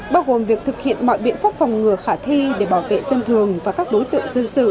bao gồm việc thực hiện mọi biện pháp phòng ngừa khả thi để bảo vệ dân thường và các đối tượng dân sự